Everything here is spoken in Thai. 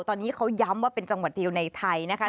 ตอนนี้เขาย้ำว่าเป็นจังหวัดเดียวในไทยนะคะ